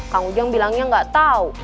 kang ujang bilangnya nggak tahu